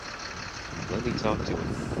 Let me talk to him.